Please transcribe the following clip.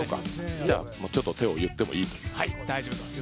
じゃ、ちょっと手を言ってもいいと。